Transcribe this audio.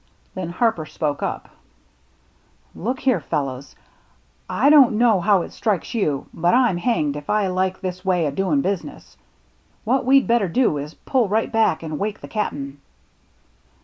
Then Harper spoke up :" Look here fellows, I don't know how it strikes you, but I'm hanged if I like this way o' doin' business. What we'd 126 THE MERRT JNNE better do is to pull right back an* wake the Cap'n."